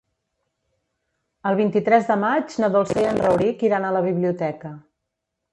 El vint-i-tres de maig na Dolça i en Rauric iran a la biblioteca.